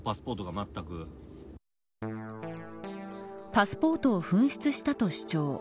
パスポートを紛失したと主張。